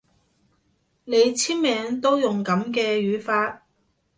你簽名都用噉嘅語法